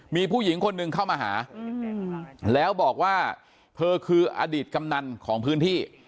มีผู้หญิงคนหนึ่งเข้ามาหาแล้วบอกว่าเธอคืออดีตกำนันของพื้นที่